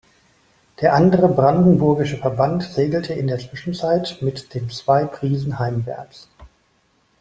Der andere brandenburgische Verband segelte in der Zwischenzeit mit den zwei Prisen heimwärts.